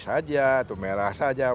saja atau merah saja